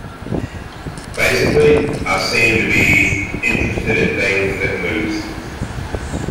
Basically, I seemed to be interested in things that moved.